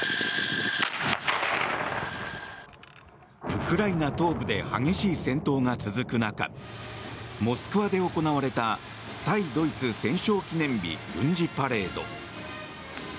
ウクライナ東部で激しい戦闘が続く中モスクワで行われた対ドイツ戦勝記念日軍事パレード。